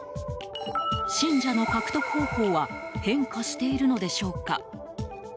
信者の獲得方法は変化しているのでしょうか。